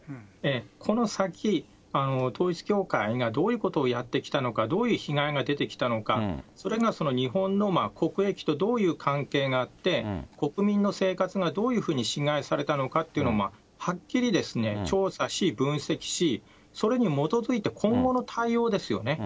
この先、統一教会がどういうことをやってきたのか、どういう被害が出てきたのか、それがその日本の国益とどういう関係があって、国民の生活がどういうふうに侵害されたのかっていうのをはっきり調査し、分析し、それに基づいて今後の対応ですよね。